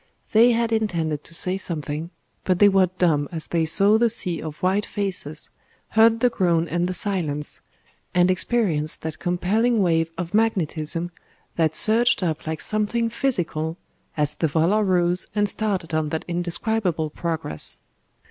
They had intended to say something, but they were dumb as they saw the sea of white faces, heard the groan and the silence, and experienced that compelling wave of magnetism that surged up like something physical, as the volor rose and started on that indescribable progress.